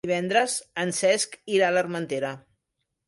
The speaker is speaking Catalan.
Divendres en Cesc irà a l'Armentera.